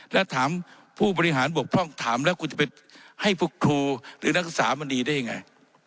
แล้วถามผู้บริหารบกพร่องถามแล้วคุณจะไปให้พวกครูหรือนักศึกษามณีได้ยังไง